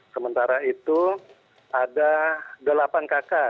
sementara itu ada delapan kakak